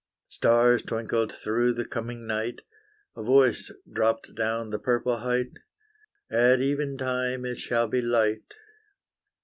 Stars twinkled through the coming night, A voice dropped down the purple height, At even time it shall be light.